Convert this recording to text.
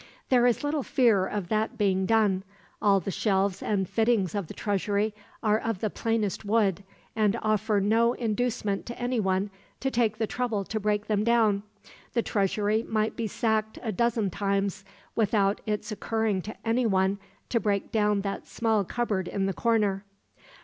"There is little fear of that being done. All the shelves and fittings of the treasury are of the plainest wood, and offer no inducement to anyone to take the trouble to break them down. The treasury might be sacked a dozen times, without its occurring to anyone to break down that small cupboard in the corner."